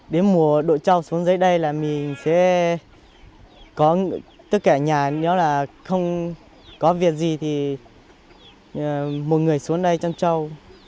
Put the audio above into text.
đến mùa đội châu xuống dưới đây là mình sẽ có tất cả nhà nếu là không có việc gì thì một người xuống đây chăn trâu